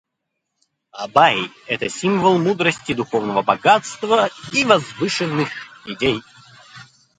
Абай - это символ мудрости, духовного богатства и возвышенных идей.